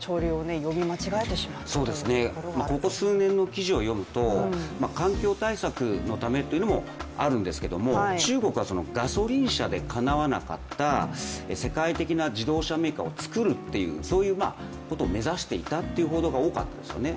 ここ数年の記事を読むと環境対策のためというのはあるんですけど、中国はガソリン車でかなわなかった世界的な自動車メーカーを作るっていう、そういうことを目指していたという報道が多かったですよね。